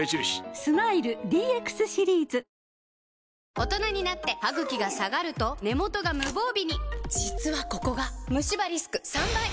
大人になってハグキが下がると根元が無防備に実はここがムシ歯リスク３倍！